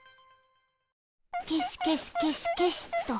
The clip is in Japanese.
けしけしけしけしと！